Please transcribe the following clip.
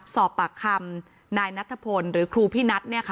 สอบปากคำนายนัทพลหรือครูพี่นัท